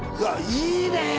いいね